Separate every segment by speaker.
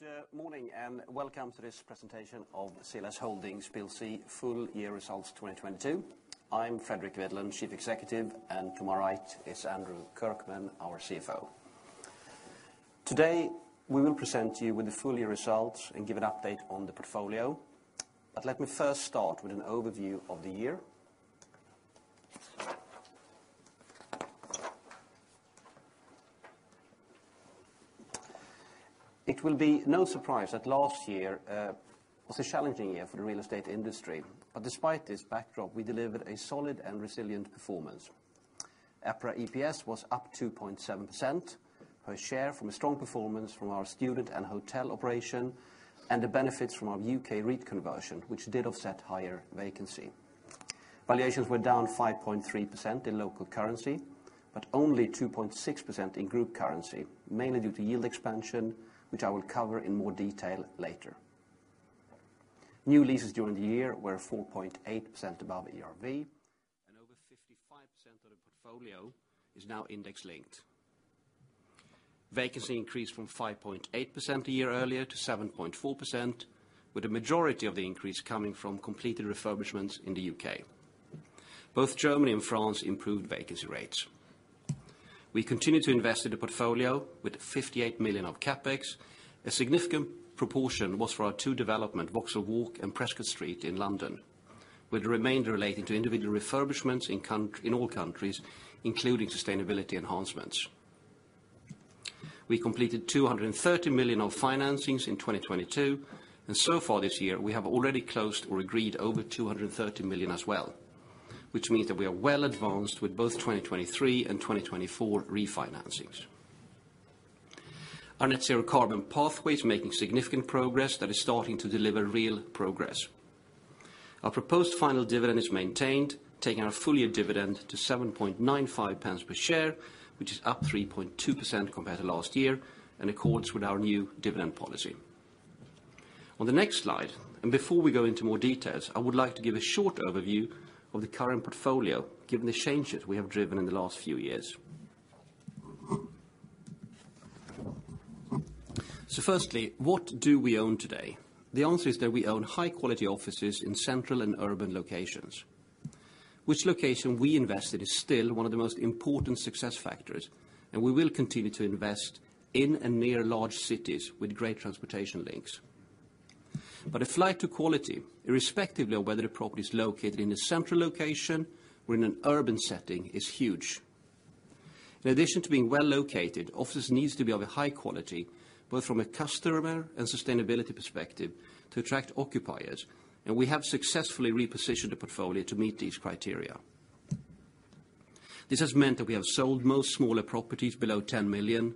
Speaker 1: Good morning and welcome to this presentation of CLS Holdings plc full year results 2022. I'm Fredrik Widlund, Chief Executive, and to my right is Andrew Kirkman, our CFO. Today, we will present to you with the full year results and give an update on the portfolio. Let me first start with an overview of the year. It will be no surprise that last year was a challenging year for the real estate industry. Despite this backdrop, we delivered a solid and resilient performance. EPRA EPS was up 2.7% per share from a strong performance from our student and hotel operation, and the benefits from our U.K. REIT conversion, which did offset higher vacancy. Valuations were down 5.3% in local currency, but only 2.6% in group currency, mainly due to yield expansion, which I will cover in more detail later. New leases during the year were 4.8% above ERV, and over 55% of the portfolio is now index-linked. Vacancy increased from 5.8% a year earlier to 7.4%, with a majority of the increase coming from completed refurbishments in the U.K.. Both Germany and France improved vacancy rates. We continued to invest in the portfolio with 58 million of CapEx. A significant proportion was for our two development, Vauxhall Walk and Prescot Street in London, with the remainder relating to individual refurbishments in all countries, including sustainability enhancements. We completed 230 million of financings in 2022. So far this year, we have already closed or agreed over 230 million as well, which means that we are well advanced with both 2023 and 2024 refinancings. Our net zero carbon pathway is making significant progress that is starting to deliver real progress. Our proposed final dividend is maintained, taking our full year dividend to 7.95 per share, which is up 3.2% compared to last year and accords with our new dividend policy. On the next slide, before we go into more details, I would like to give a short overview of the current portfolio given the changes we have driven in the last few years. Firstly, what do we own today? The answer is that we own high quality offices in central and urban locations. Which location we invest in is still one of the most important success factors. We will continue to invest in and near large cities with great transportation links. A flight to quality, irrespectively of whether a property is located in a central location or in an urban setting, is huge. In addition to being well-located, offices needs to be of a high quality, both from a customer and sustainability perspective, to attract occupiers. We have successfully repositioned the portfolio to meet these criteria. This has meant that we have sold most smaller properties below 10 million,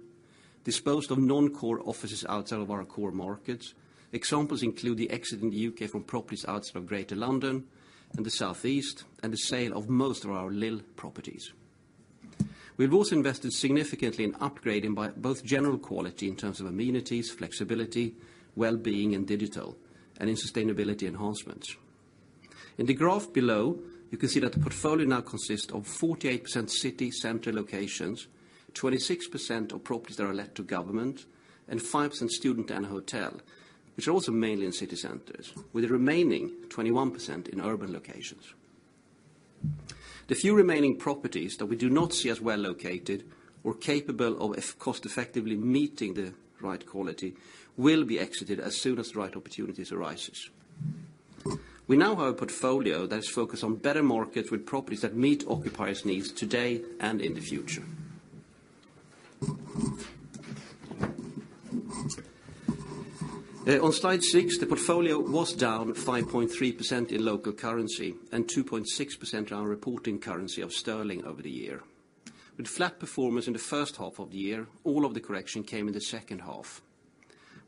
Speaker 1: disposed of non-core offices outside of our core markets. Examples include the exit in the U.K. from properties outside of Greater London and the Southeast. The sale of most of our Lille properties. We've also invested significantly in upgrading by both general quality in terms of amenities, flexibility, well-being and digital, and in sustainability enhancements. In the graph below, you can see that the portfolio now consists of 48% city center locations, 26% of properties that are let to government, and 5% student and hotel, which are also mainly in city centers, with the remaining 21% in urban locations. The few remaining properties that we do not see as well-located or capable of cost-effectively meeting the right quality will be exited as soon as the right opportunities arises. We now have a portfolio that is focused on better markets with properties that meet occupiers' needs today and in the future. On slide 6, the portfolio was down 5.3% in local currency and 2.6% on our reporting currency of sterling over the year. With flat performance in the first half of the year, all of the correction came in the second half.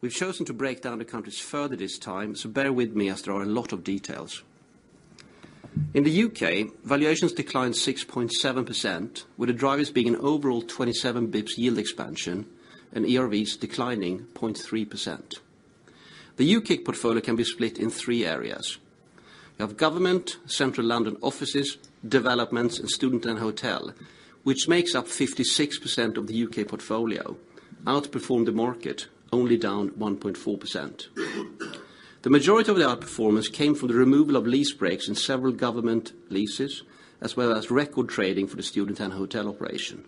Speaker 1: We've chosen to break down the countries further this time, so bear with me as there are a lot of details. In the U.K., valuations declined 6.7%, with the drivers being an overall 27 bps yield expansion and ERVs declining 0.3%. The U.K. portfolio can be split in three areas. We have government, Central London offices, developments, and student and hotel, which makes up 56% of the U.K. portfolio, outperformed the market only down 1.4%. The majority of the outperformance came from the removal of lease breaks in several government leases, as well as record trading for the student and hotel operation.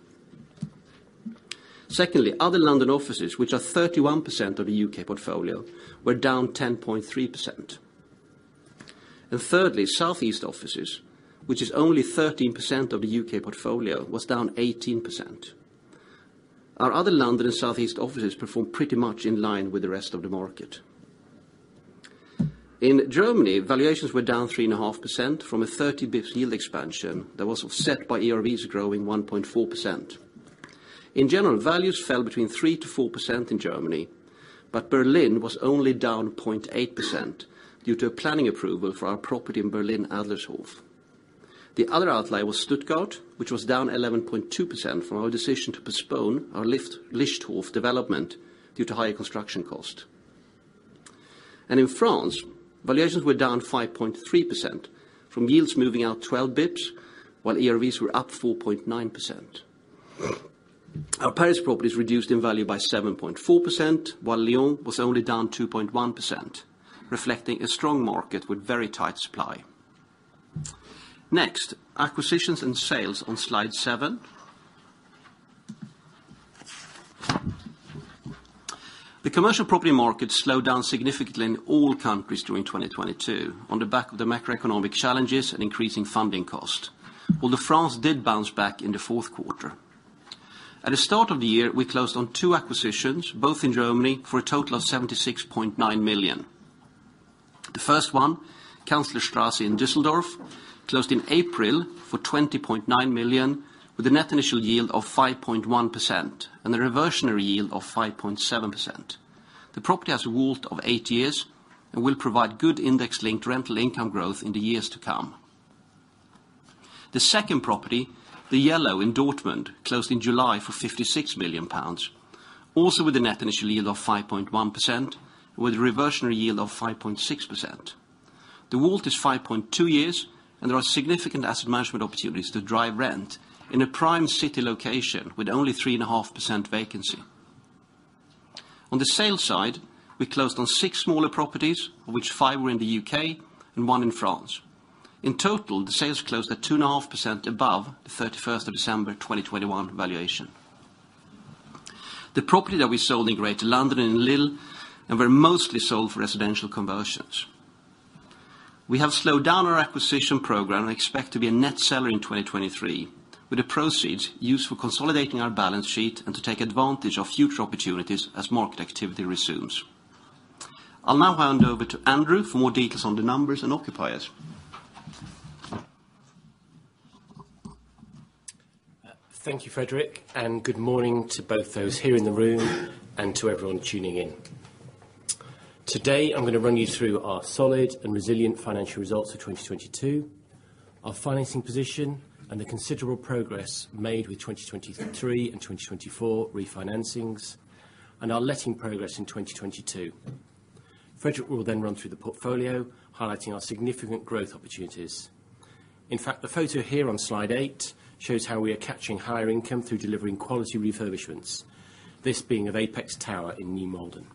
Speaker 1: Secondly, other London offices, which are 31% of the U.K. portfolio, were down 10.3%. Thirdly, Southeast offices, which is only 13% of the U.K. portfolio, was down 18%. Our other London and Southeast offices performed pretty much in line with the rest of the market. In Germany, valuations were down 3.5% from a 30 basis points yield expansion that was offset by ERVs growing 1.4%. In general, values fell between 3%-4% in Germany, but Berlin was only down 0.8% due to a planning approval for our property in Berlin, Adlershof. The other outlier was Stuttgart, which was down 11.2% from our decision to postpone our Lichthof development due to higher construction cost. In France, valuations were down 5.3% from yields moving out 12 basis points, while ERVs were up 4.9%. Our Paris properties reduced in value by 7.4%, while Lyon was only down 2.1%, reflecting a strong market with very tight supply. Acquisitions and sales on slide seven. The commercial property market slowed down significantly in all countries during 2022 on the back of the macroeconomic challenges and increasing funding cost. France did bounce back in the fourth quarter. At the start of the year, we closed on two acquisitions, both in Germany, for a total of 76.9 million. The first one, Kanzlerstrasse in Düsseldorf, closed in April for 20.9 million, with a net initial yield of 5.1% and the reversionary yield of 5.7%. The property has a WALT of eight years and will provide good index linked rental income growth in the years to come. The second property, The Yellow in Dortmund, closed in July for GBP 56 million, also with a net initial yield of 5.1%, with a reversionary yield of 5.6%. The WALT is 5.2 years, there are significant asset management opportunities to drive rent in a prime city location with only 3.5% vacancy. On the sales side, we closed on six smaller properties, of which five were in the U.K. and one in France. In total, the sales closed at 2.5% above the 31st of December 2021 valuation. The property that we sold in Greater London and Lille, and were mostly sold for residential conversions. We have slowed down our acquisition program and expect to be a net seller in 2023, with the proceeds used for consolidating our balance sheet and to take advantage of future opportunities as market activity resumes. I'll now hand over to Andrew for more details on the numbers and occupiers.
Speaker 2: Thank you, Fredrik. Good morning to both those here in the room and to everyone tuning in. Today, I'm gonna run you through our solid and resilient financial results of 2022, our financing position, and the considerable progress made with 2023 and 2024 refinancings, and our letting progress in 2022. Fredrik will then run through the portfolio, highlighting our significant growth opportunities. The photo here on slide eight shows how we are catching higher income through delivering quality refurbishments, this being of Apex Tower in New Malden.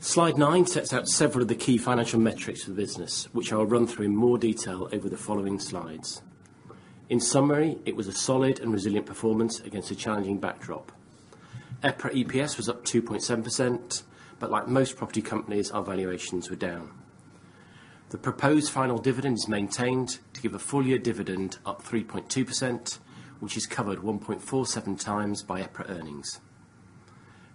Speaker 2: Slide nine sets out several of the key financial metrics of the business, which I'll run through in more detail over the following slides. It was a solid and resilient performance against a challenging backdrop. EPRA EPS was up 2.7%, but like most property companies, our valuations were down. The proposed final dividend is maintained to give a full year dividend up 3.2%, which is covered 1.47 times by EPRA earnings.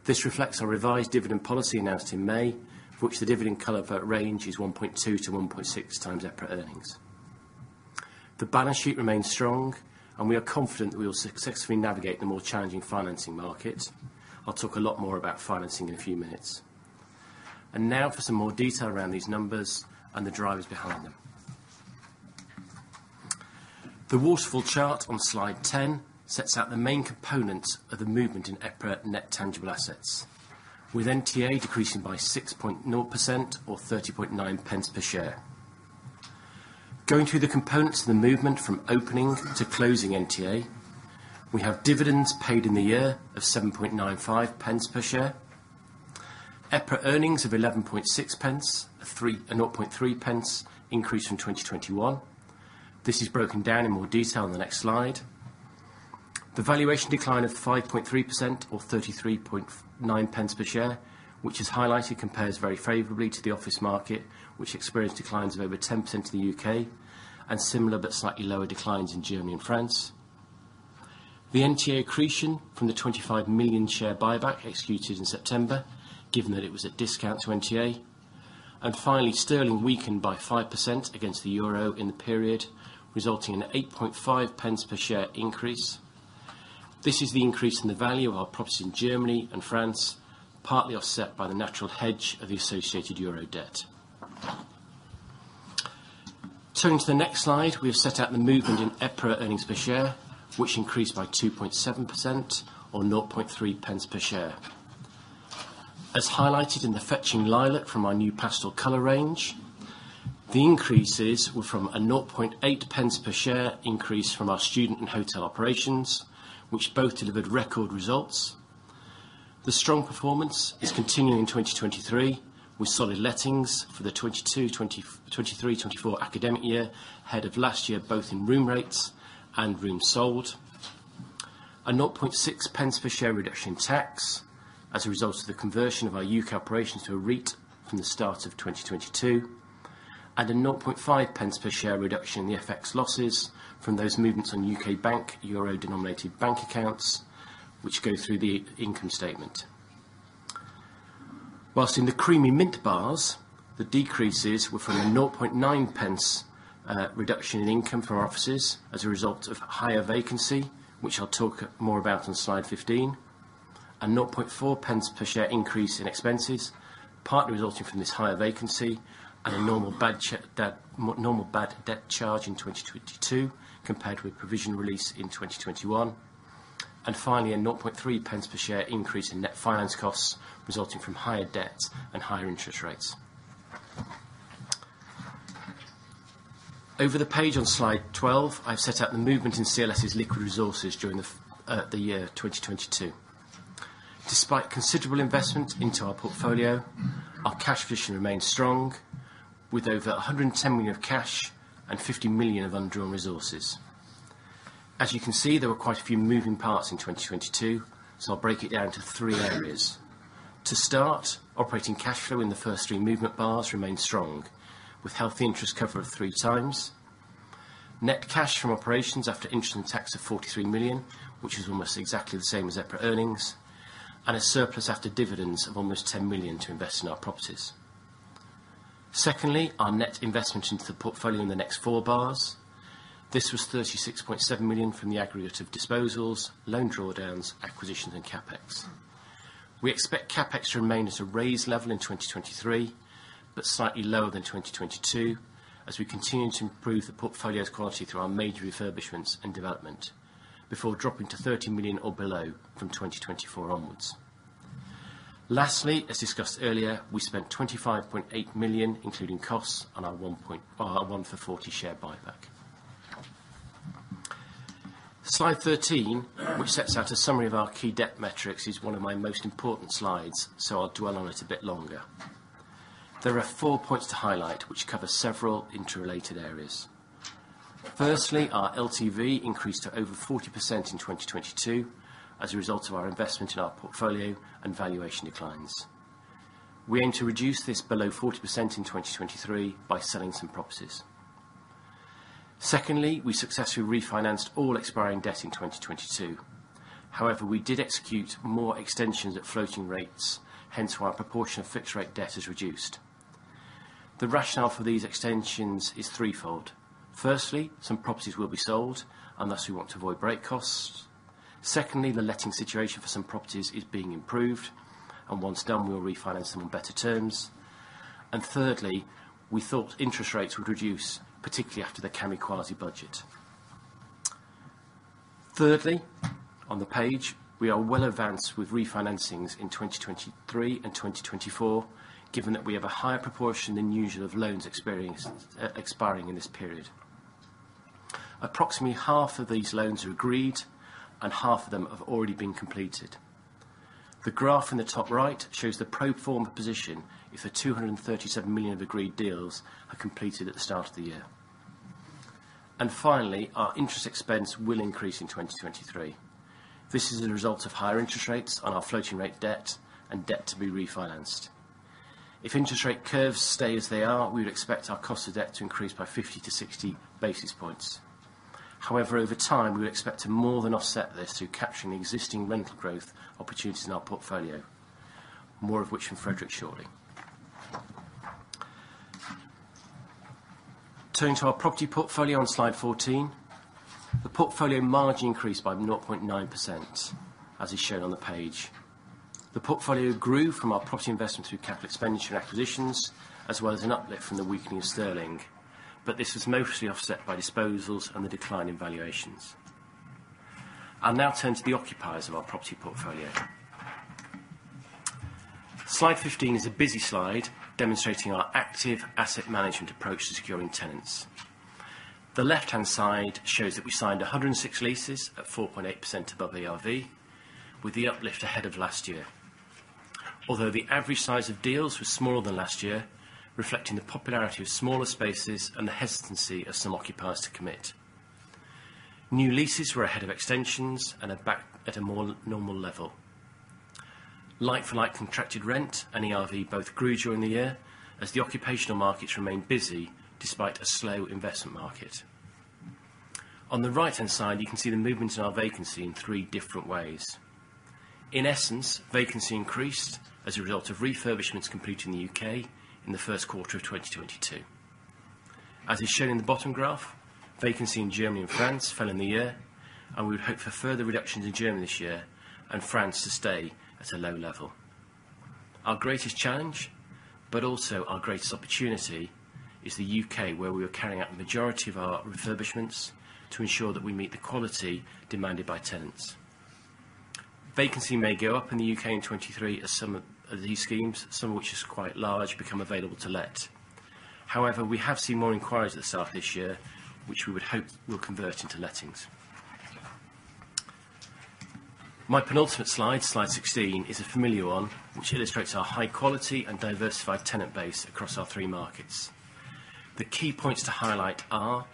Speaker 2: This reflects our revised dividend policy announced in May, for which the dividend color range is 1.2 to 1.6x EPRA earnings. The balance sheet remains strong. We are confident that we will successfully navigate the more challenging financing market. I'll talk a lot more about financing in a few minutes. Now for some more detail around these numbers and the drivers behind them. The waterfall chart on slide 10 sets out the main component of the movement in EPRA Net Tangible Assets, with NTA decreasing by 6.0% or 30.9 pence per share. Going through the components of the movement from opening to closing NTA, we have dividends paid in the year of 7.95 pence per share. EPRA earnings of 11.6 pence, a 0.3 pence increase from 2021. This is broken down in more detail in the next slide. The valuation decline of 5.3% or 33.9 pence per share, which is highlighted, compares very favorably to the office market, which experienced declines of over 10% in the U.K. and similar but slightly lower declines in Germany and France. The NTA accretion from the 25 million share buyback executed in September, given that it was at discount to NTA. Finally, sterling weakened by 5% against the euro in the period, resulting in an 8.5 pence per share increase. This is the increase in the value of our properties in Germany and France, partly offset by the natural hedge of the associated euro debt. Turning to the next slide, we have set out the movement in EPRA earnings per share, which increased by 2.7% or 0.003 per share. As highlighted in the fetching lilac from our new pastel color range, the increases were from a 0.008 per share increase from our student and hotel operations, which both delivered record results. The strong performance is continuing in 2023, with solid lettings for the 2022, 2023, 2024 academic year ahead of last year, both in room rates and rooms sold. A 0.006 per share reduction in tax as a result of the conversion of our U.K. operations to a REIT from the start of 2022. A 0.5 pence per share reduction in the FX losses from those movements on U.K. bank, euro-denominated bank accounts, which go through the income statement. Whilst in the creamy mint bars, the decreases were from a 0.9 pence reduction in income from our offices as a result of higher vacancy, which I'll talk more about on slide 15. A 0.4 pence per share increase in expenses, partly resulting from this higher vacancy and a normal bad debt charge in 2022 compared with provision release in 2021. Finally, a 0.3 pence per share increase in net finance costs resulting from higher debts and higher interest rates. Over the page on slide 12, I've set out the movement in CLS's liquid resources during the year 2022. Despite considerable investment into our portfolio, our cash position remains strong with over 110 million of cash and 50 million of undrawn resources. You can see, there were quite a few moving parts in 2022, so I'll break it down to three areas. To start, operating cash flow in the first three movement bars remained strong with healthy interest cover of 3 times. Net cash from operations after interest and tax of 43 million, which is almost exactly the same as EPRA earnings, and a surplus after dividends of almost 10 million to invest in our properties. Secondly, our net investment into the portfolio in the next four bars. This was 36.7 million from the aggregate of disposals, loan drawdowns, acquisitions and CapEx. We expect CapEx to remain at a raised level in 2023, but slightly lower than 2022 as we continue to improve the portfolio's quality through our major refurbishments and development, before dropping to 30 million or below from 2024 onwards. Lastly, as discussed earlier, we spent 25.8 million, including costs, on our one for forty share buyback. Slide 13, which sets out a summary of our key debt metrics, is one of my most important slides, so I'll dwell on it a bit longer. There are four points to highlight, which cover several interrelated areas. Firstly, our LTV increased to over 40% in 2022 as a result of our investment in our portfolio and valuation declines. We aim to reduce this below 40% in 2023 by selling some properties. Secondly, we successfully refinanced all expiring debt in 2022. However, we did execute more extensions at floating rates, hence why our proportion of fixed rate debt is reduced. The rationale for these extensions is threefold. Firstly, some properties will be sold, and thus we want to avoid break costs. Secondly, the letting situation for some properties is being improved, and once done, we'll refinance them on better terms. Thirdly, we thought interest rates would reduce, particularly after the Kwasi Kwarteng's mini-budget. Thirdly, on the page, we are well advanced with refinancings in 2023 and 2024, given that we have a higher proportion than usual of loans expiring in this period. Approximately half of these loans are agreed, half of them have already been completed. The graph in the top right shows the pro forma position if the 237 million of agreed deals are completed at the start of the year. Finally, our interest expense will increase in 2023. This is a result of higher interest rates on our floating rate debt and debt to be refinanced. If interest rate curves stay as they are, we would expect our cost of debt to increase by 50 to 60 basis points. However, over time, we would expect to more than offset this through capturing existing rental growth opportunities in our portfolio, more of which from Fredrik shortly. Turning to our property portfolio on slide 14. The portfolio margin increased by 0.9%, as is shown on the page. The portfolio grew from our property investment through capital expenditure and acquisitions, as well as an uplift from the weakening of sterling. This was mostly offset by disposals and the decline in valuations. I'll now turn to the occupiers of our property portfolio. Slide 15 is a busy slide demonstrating our active asset management approach to securing tenants. The left-hand side shows that we signed 106 leases at 4.8% above ERV, with the uplift ahead of last year. Although the average size of deals was smaller than last year, reflecting the popularity of smaller spaces and the hesitancy of some occupiers to commit. New leases were ahead of extensions and are back at a more normal level. Like for like contracted rent and ERV both grew during the year as the occupational markets remained busy despite a slow investment market. On the right-hand side, you can see the movement in our vacancy in three different ways. In essence, vacancy increased as a result of refurbishments completed in the U.K. in the first quarter of 2022. As is shown in the bottom graph, vacancy in Germany and France fell in the year, we would hope for further reductions in Germany this year and France to stay at a low level. Our greatest challenge, but also our greatest opportunity, is the U.K., where we are carrying out the majority of our refurbishments to ensure that we meet the quality demanded by tenants. Vacancy may go up in the U.K. in 23 as some of these schemes, some of which is quite large, become available to let. We have seen more inquiries at the start of this year, which we would hope will convert into lettings. My penultimate slide 16, is a familiar one, which illustrates our high quality and diversified tenant base across our three markets. The key points to highlight are: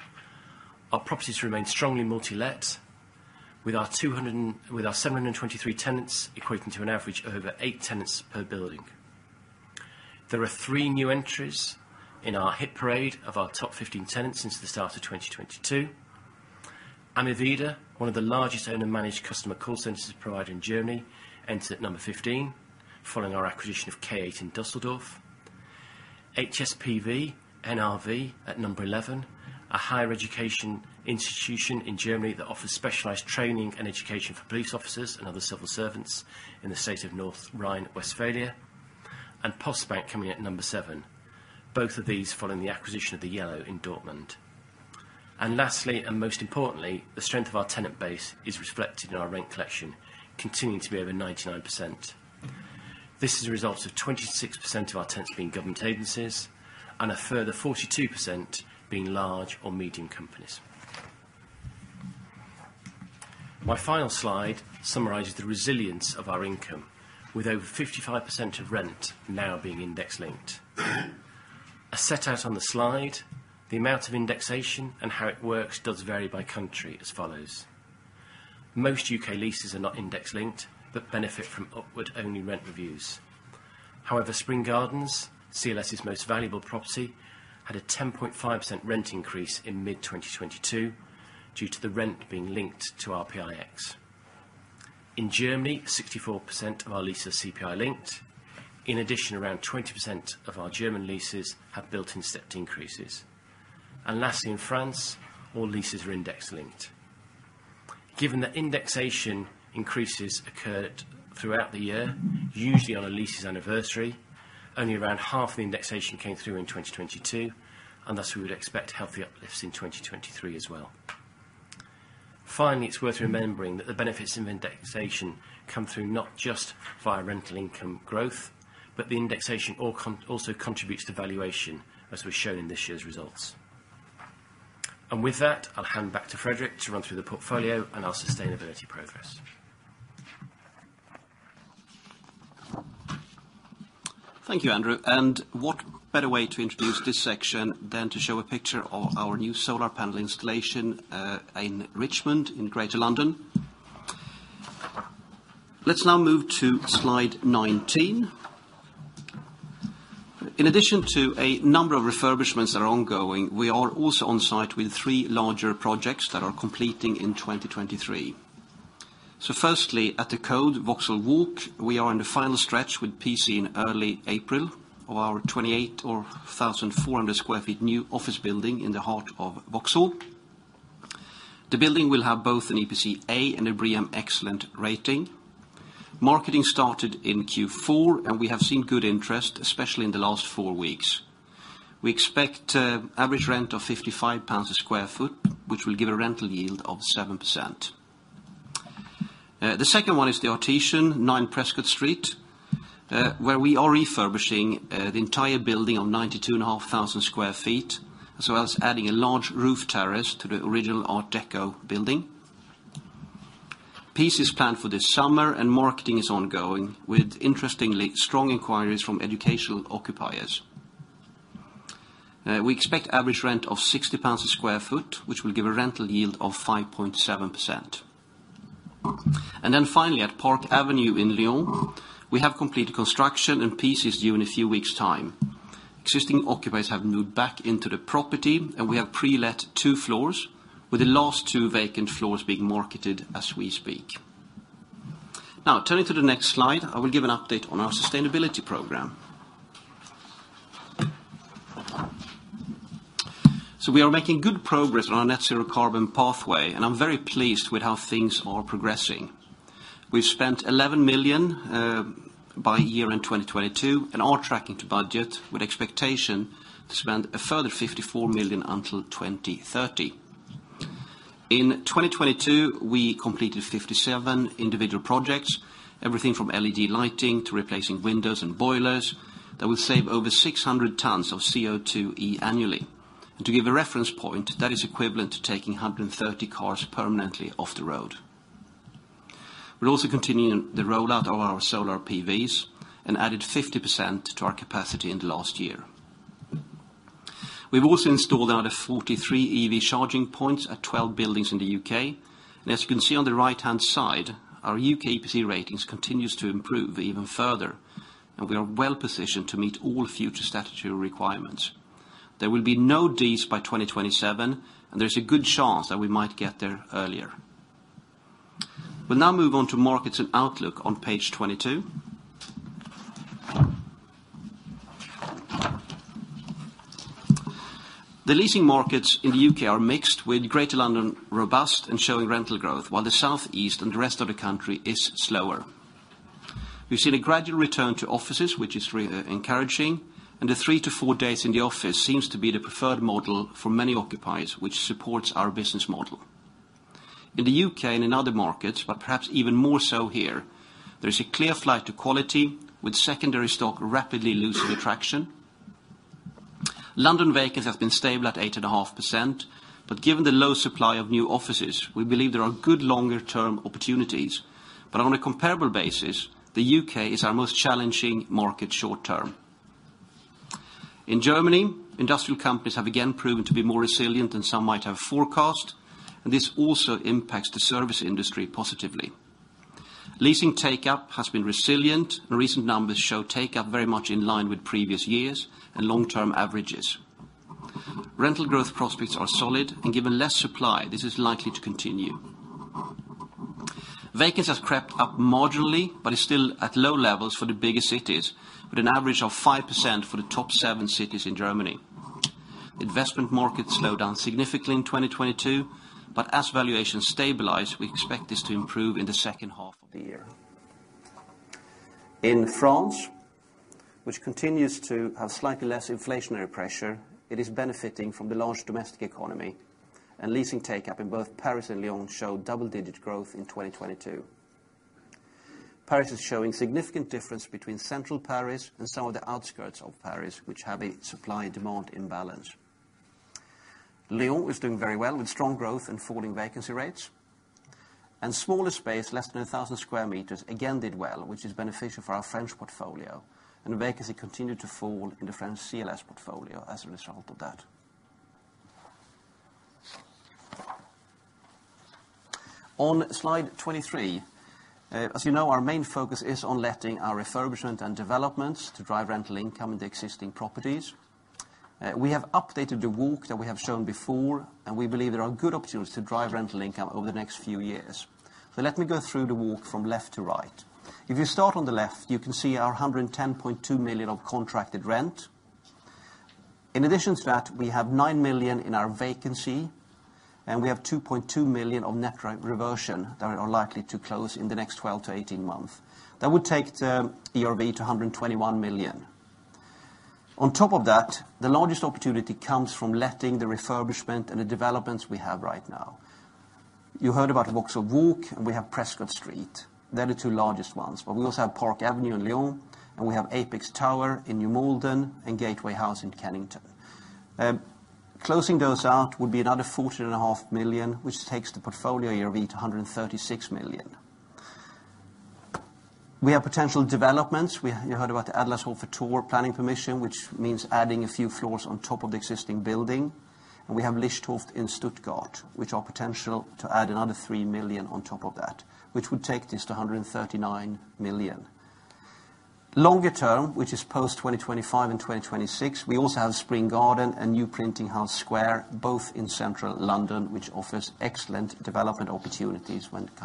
Speaker 2: our properties remain strongly multi-let, with our 723 tenants equating to an average of over eight tenants per building. There are three new entries in our hit parade of our top 15 tenants since the start of 2022. AMEVIDA, one of the largest owner-managed customer call center providers in Germany, entered at number 15 following our acquisition of K8 in Düsseldorf. HSPV NRW at number 11, a higher education institution in Germany that offers specialized training and education for police officers and other civil servants in the state of North Rhine-Westphalia. Postbank coming at number seven, both of these following the acquisition of The Yellow in Dortmund. Lastly, and most importantly, the strength of our tenant base is reflected in our rent collection, continuing to be over 99%. This is a result of 26% of our tenants being government agencies, and a further 42% being large or medium companies. My final slide summarizes the resilience of our income, with over 55% of rent now being index linked. As set out on the slide, the amount of indexation and how it works does vary by country as follows. Most U.K. leases are not index linked, but benefit from upward only rent reviews. However, Spring Gardens, CLS's most valuable property, had a 10.5% rent increase in mid-2022 due to the rent being linked to RPIX. In Germany, 64% of our leases are CPI linked. In addition, around 20% of our German leases have built-in stepped increases. Lastly, in France, all leases are index linked. Given that indexation increases occurred throughout the year, usually on a lease's anniversary, only around half the indexation came through in 2022, and thus we would expect healthy uplifts in 2023 as well. Finally, it's worth remembering that the benefits of indexation come through not just via rental income growth, but the indexation also contributes to valuation, as was shown in this year's results. With that, I'll hand back to Fredrik to run through the portfolio and our sustainability progress.
Speaker 1: Thank you, Andrew. What better way to introduce this section than to show a picture of our new solar panel installation in Richmond in Greater London? Let's now move to Slide 19. In addition to a number of refurbishments that are ongoing, we are also on site with three larger projects that are completing in 2023. Firstly, at The Coade Vauxhall Walk, we are in the final stretch with PC in early April of our 28,400 sq ft new office building in the heart of Vauxhall. The building will have both an EPC A and a BREEAM excellent rating. Marketing started in Q4, and we have seen good interest, especially in the last four weeks. We expect average rent of 55 pounds a sq ft, which will give a rental yield of 7%. The second one is Artesian, 9 Prescot Street, where we are refurbishing the entire building of 92,500 sq ft, as well as adding a large roof terrace to the original Art Deco building. PC is planned for this summer, marketing is ongoing, with interestingly strong inquiries from educational occupiers. We expect average rent of 60 pounds a sq ft, which will give a rental yield of 5.7%. Finally, at Park Avenue in Lyon, we have completed construction, PC is due in a few weeks' time. Existing occupiers have moved back into the property, we have pre-let 2 floors, with the last two vacant floors being marketed as we speak. Turning to the next slide, I will give an update on our sustainability program. We are making good progress on our net zero carbon pathway, and I'm very pleased with how things are progressing. We've spent 11 million by year-end 2022, and are tracking to budget with expectation to spend a further 54 million until 2030. In 2022, we completed 57 individual projects, everything from LED lighting to replacing windows and boilers that will save over 600 tons of CO2E annually. To give a reference point, that is equivalent to taking 130 cars permanently off the road. We're also continuing the rollout of our solar PVs and added 50% to our capacity in the last year. We've also installed another 43 EV charging points at 12 buildings in the U.K.. As you can see on the right-hand side, our U.K. EPC ratings continues to improve even further, and we are well-positioned to meet all future statutory requirements. There will be no Ds by 2027, and there's a good chance that we might get there earlier. We'll now move on to markets and outlook on page 22. The leasing markets in the U.K. are mixed, with Greater London robust and showing rental growth, while the Southeast and the rest of the country is slower. We've seen a gradual return to offices, which is encouraging, and the three to four days in the office seems to be the preferred model for many occupiers, which supports our business model. In the U.K. and in other markets, perhaps even more so here, there is a clear flight to quality with secondary stock rapidly losing attraction. London vacants have been stable at 8.5%, but given the low supply of new offices, we believe there are good longer-term opportunities. On a comparable basis, the U.K. is our most challenging market short term. In Germany, industrial companies have again proven to be more resilient than some might have forecast, and this also impacts the service industry positively. Leasing take-up has been resilient, and recent numbers show take-up very much in line with previous years and long-term averages. Rental growth prospects are solid, and given less supply, this is likely to continue. Vacants has crept up marginally, but is still at low levels for the bigger cities, with an average of 5% for the top seven cities in Germany. Investment markets slowed down significantly in 2022, but as valuations stabilize, we expect this to improve in the second half of the year. In France, which continues to have slightly less inflationary pressure, it is benefiting from the large domestic economy. Leasing take-up in both Paris and Lyon show double-digit growth in 2022. Paris is showing significant difference between Central Paris and some of the outskirts of Paris, which have a supply-demand imbalance. Lyon is doing very well with strong growth and falling vacancy rates. Smaller space, less than 1,000 square meters, again, did well, which is beneficial for our French portfolio. The vacancy continued to fall in the French CLS portfolio as a result of that. On slide 23, as you know, our main focus is on letting our refurbishment and developments to drive rental income into existing properties. We have updated the walk that we have shown before, and we believe there are good opportunities to drive rental income over the next few years. Let me go through the walk from left to right. If you start on the left, you can see our 110.2 million of contracted rent. In addition to that, we have 9 million in our vacancy. We have 2.2 million of net re-reversion that are likely to close in the next 12 to 18 months. That would take the ERV to 121 million. On top of that, the largest opportunity comes from letting the refurbishment and the developments we have right now. You heard about Vauxhall Walk, and we have Prescot Street. They're the two largest ones, but we also have Park Avenue in Lyon, and we have Apex Tower in New Malden and Gateway House in Kennington. Closing those out would be another GBP forty-and-a-half million, which takes the portfolio ERV to 136 million. We have potential developments. You heard about the Adlershof tour planning permission, which means adding a few floors on top of the existing building. We have LichtHof in Stuttgart, which are potential to add another 3 million on top of that, which would take this to 139 million. Longer term, which is post-2025 and 2026, we also have Spring Garden and New Printing House Square, both in Central London, which offers excellent development opportunities when it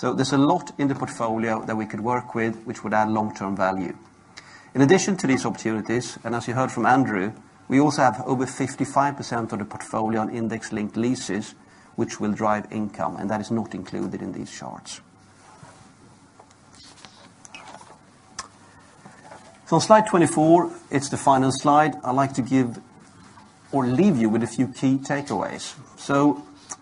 Speaker 1: come. There's a lot in the portfolio that we could work with, which would add long-term value. In addition to these opportunities, and as you heard from Andrew, we also have over 55% of the portfolio on index linked leases, which will drive income, and that is not included in these charts. Slide 24, it's the final slide. I'd like to give or leave you with a few key takeaways.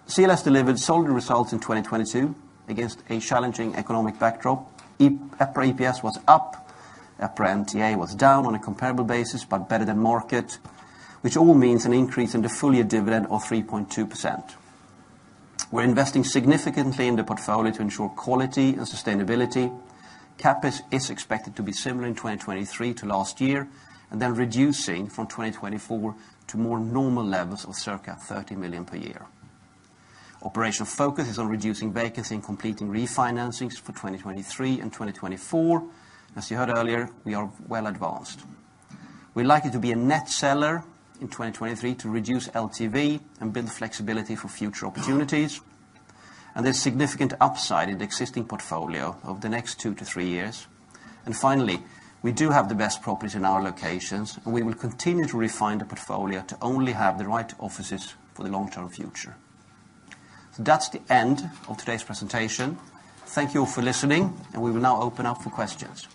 Speaker 1: CLS delivered solid results in 2022 against a challenging economic backdrop. EPRA EPS was up. EPRA NTA was down on a comparable basis, but better than market, which all means an increase in the full-year dividend of 3.2%. We're investing significantly in the portfolio to ensure quality and sustainability. CapEx is expected to be similar in 2023 to last year, and then reducing from 2024 to more normal levels of circa 30 million per year. Operational focus is on reducing vacancy and completing refinancings for 2023 and 2024. As you heard earlier, we are well advanced. We're likely to be a net seller in 2023 to reduce LTV and build flexibility for future opportunities. There's significant upside in the existing portfolio over the next two-three years. Finally, we do have the best properties in our locations, and we will continue to refine the portfolio to only have the right offices for the long-term future. That's the end of today's presentation. Thank you for listening, and we will now open up for questions.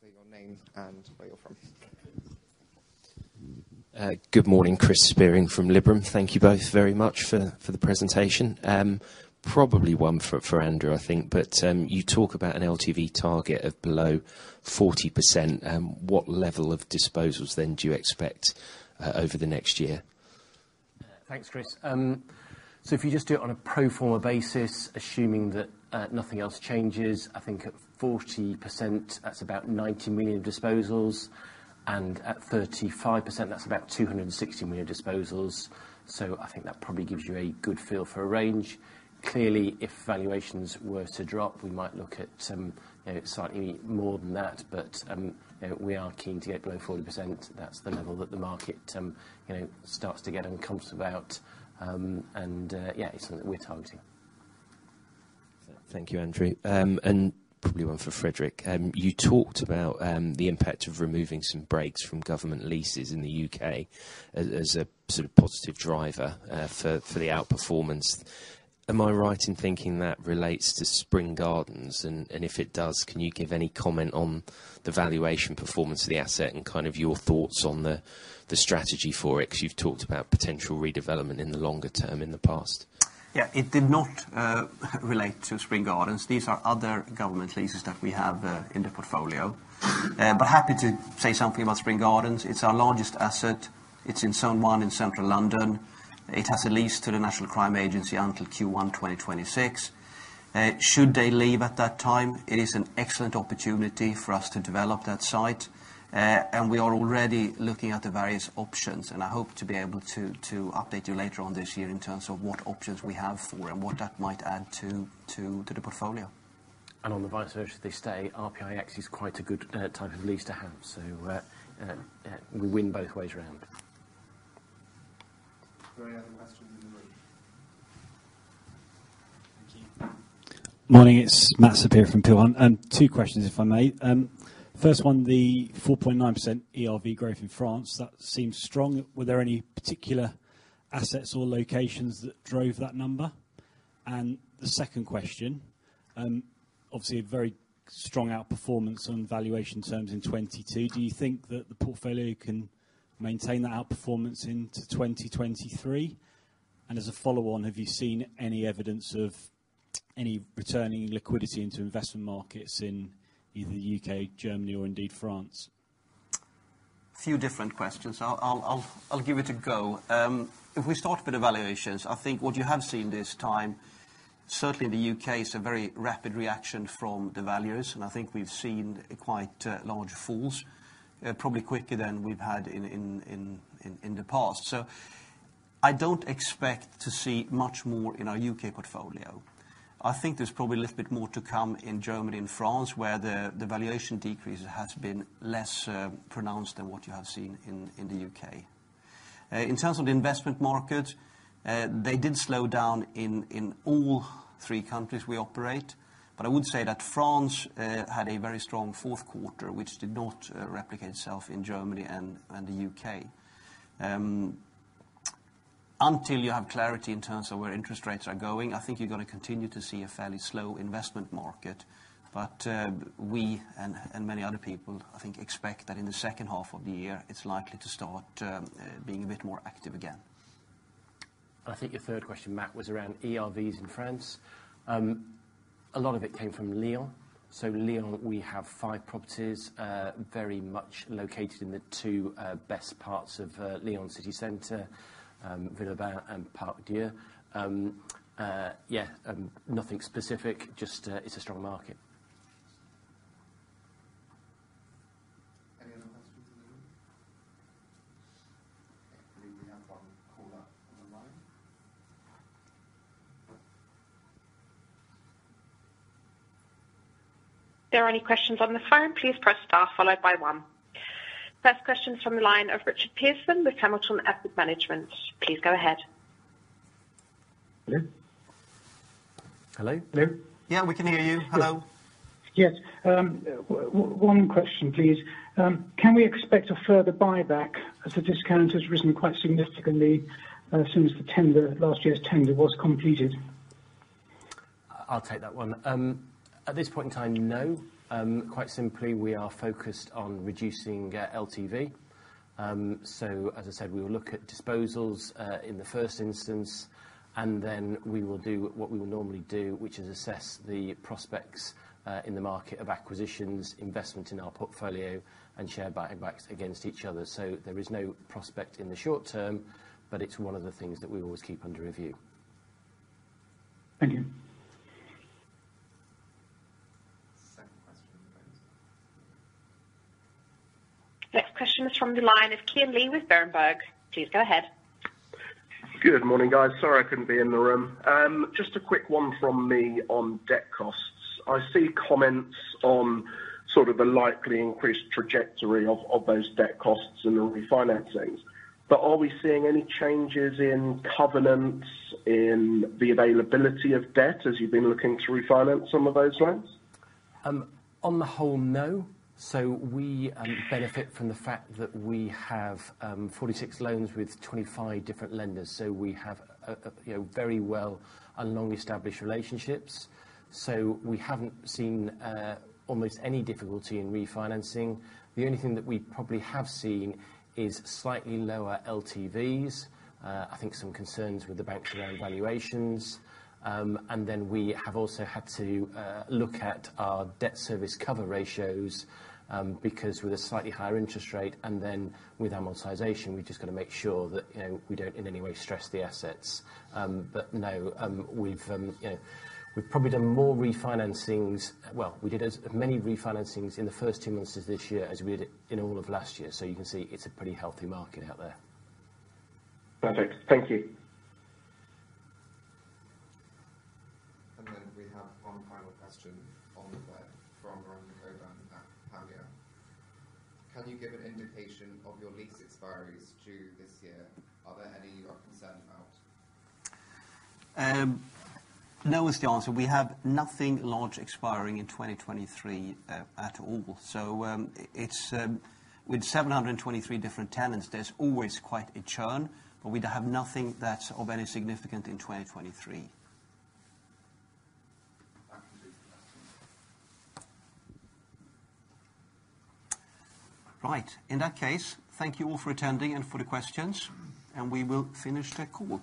Speaker 3: Say your name and where you're from.
Speaker 4: Good morning. Chris Spearing from Liberum. Thank you both very much for the presentation. Probably one for Andrew, I think, but you talk about an LTV target of below 40%. What level of disposals then do you expect over the next year?
Speaker 2: Thanks, Chris. If you just do it on a pro forma basis, assuming that nothing else changes, I think at 40%, that's about 90 million disposals. At 35%, that's about 260 million disposals. I think that probably gives you a good feel for a range. Clearly, if valuations were to drop, we might look at, you know, slightly more than that. You know, we are keen to get below 40%. That's the level that the market, you know, starts to get uncomfortable about. Yeah, it's something we're targeting.
Speaker 4: Thank you, Andrew. Probably one for Fredrik. You talked about the impact of removing some breaks from government leases in the U.K. as a sort of positive driver for the outperformance. Am I right in thinking that relates to Spring Gardens? If it does, can you give any comment on the valuation performance of the asset and kind of your thoughts on the strategy for it? 'Cause you've talked about potential redevelopment in the longer term in the past.
Speaker 1: Yeah. It did not relate to Spring Gardens. These are other government leases that we have in the portfolio. Happy to say something about Spring Gardens. It's our largest asset. It's in Zone one in Central London. It has a lease to the National Crime Agency until Q1 2026. Should they leave at that time, it is an excellent opportunity for us to develop that site. We are already looking at the various options, and I hope to be able to update you later on this year in terms of what options we have for and what that might add to the portfolio.
Speaker 2: On the vice versa, they stay. RPIX is quite a good type of lease to have. We win both ways around.
Speaker 3: Go ahead, last one then we leave. Thank you.
Speaker 5: Morning, it's Matthew Saperia from Peel Hunt. Two questions, if I may. First one, the 4.9% ERV growth in France, that seems strong. Were there any particular assets or locations that drove that number? The second question, obviously a very strong outperformance on valuation terms in 2022. Do you think that the portfolio can maintain that outperformance into 2023? As a follow on, have you seen any evidence of any returning liquidity into investment markets in either the U.K., Germany or indeed France?
Speaker 1: Few different questions. I'll give it a go. If we start with evaluations, I think what you have seen this time, certainly in the U.K., is a very rapid reaction from the values. I think we've seen quite large falls, probably quicker than we've had in the past. I don't expect to see much more in our U.K. portfolio. I think there's probably a little bit more to come in Germany and France, where the valuation decrease has been less pronounced than what you have seen in the U.K. In terms of the investment market, they did slow down in all three countries we operate. I would say that France had a very strong fourth quarter, which did not replicate itself in Germany and the U.K. Until you have clarity in terms of where interest rates are going, I think you're gonna continue to see a fairly slow investment market. We and many other people, I think, expect that in the second half of the year, it's likely to start being a bit more active again.
Speaker 2: I think your third question, Matt, was around ERVs in France. A lot of it came from Lyon. Lyon, we have five properties, very much located in the two best parts of Lyon City Center, Villeurbanne and La Part-Dieu. Yeah, nothing specific, just it's a strong market.
Speaker 3: Any other questions in the room? I believe we have one caller on the line. If there are any questions on the phone, please press star followed by one. First question is from the line of Richard Pearson with Hamilton Asset Management. Please go ahead.
Speaker 6: Hello?
Speaker 2: Hello?
Speaker 6: Hello.
Speaker 1: We can hear you. Hello.
Speaker 6: Yes. One question, please. Can we expect a further buyback as the discount has risen quite significantly since the tender, last year's tender was completed?
Speaker 2: I'll take that one. At this point in time, no. Quite simply, we are focused on reducing LTV. As I said, we will look at disposals in the first instance, and then we will do what we would normally do, which is assess the prospects in the market of acquisitions, investment in our portfolio and share buybacks against each other. There is no prospect in the short term, but it's one of the things that we always keep under review.
Speaker 6: Thank you.
Speaker 3: Second question. Next question is from the line of Kieran Lee with Berenberg. Please go ahead.
Speaker 7: Good morning, guys. Sorry, I couldn't be in the room. Just a quick one from me on debt costs. I see comments on sort of the likely increased trajectory of those debt costs and the refinancings. Are we seeing any changes in covenants in the availability of debt as you've been looking to refinance some of those loans?
Speaker 2: On the whole, no. We benefit from the fact that we have 46 loans with 25 different lenders. We have, you know, very well and long-established relationships. We haven't seen almost any difficulty in refinancing. The only thing that we probably have seen is slightly lower LTVs. I think some concerns with the banks around valuations. We have also had to look at our debt service cover ratios because with a slightly higher interest rate and then with amortization, we just gotta make sure that, you know, we don't in any way stress the assets. No, we've, you know, we've probably done more refinancings. Well, we did as many refinancings in the first 2 months of this year as we did in all of last year. You can see it's a pretty healthy market out there.
Speaker 7: Perfect. Thank you.
Speaker 3: We have one final question on the web from Veronica Cohen at Panmure. Can you give an indication of your lease expiries due this year? Are there any you are concerned about?
Speaker 1: No is the answer. We have nothing large expiring in 2023 at all. It's with 723 different tenants, there's always quite a churn, but we don't have nothing that's of any significant in 2023.
Speaker 3: That completes the questions.
Speaker 1: In that case, thank you all for attending and for the questions. We will finish the call.